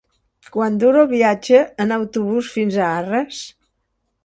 Quant dura el viatge en autobús fins a Arres?